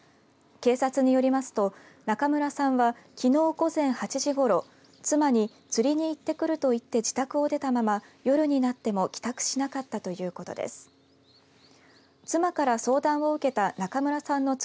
警察によりますと中村さんは、きのう午前８時ごろ妻に、釣りに行ってくると言って自宅を出たまま夜になっても帰宅しなかったということです。